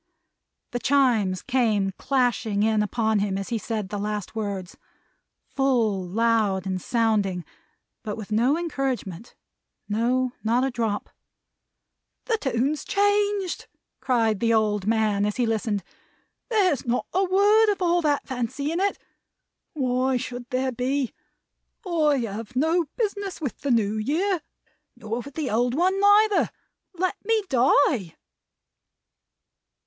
The Chimes came clashing in upon him as he said the last words. Full, loud, and sounding but with no encouragement. No, not a drop. "The tune's changed," cried the old man, as he listened. "There's not a word of all that fancy in it. Why should there be? I have no business with the New Year nor with the old one neither. Let me die!"